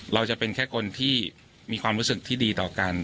จะเป็นแค่คนที่มีความรู้สึกที่ดีต่อกัน